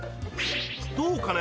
［どうかね？